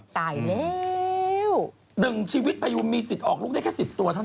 ตายแล้ว๑ชีวิตพยูนมีสิทธิ์ออกลูกได้แค่๑๐ตัวเท่านั้น